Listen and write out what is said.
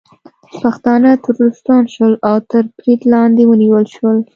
پښتانه ترورستان شول او تر برید لاندې ونیول شول